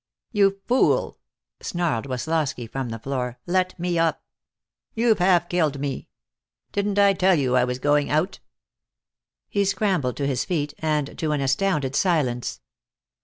"You fool!" snarled Woslosky from the floor, "let me up. You've half killed me. Didn't I tell you I was going out?" He scrambled to his feet, and to an astounded silence.